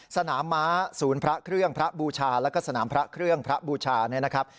สนามม้าศูนย์พระเครื่องพระบูชาแล้วก็สนามพระเครื่องพระบูชาเนี่ยนะครับ